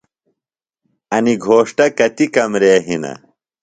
انیۡ گھوݜٹہ کتیۡ کمرے ہِنہ؟